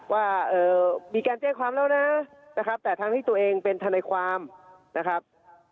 ว่ามีการแจ้งความแล้วนะนะครับแต่ทั้งที่ตัวเองเป็นทนายความนะครับ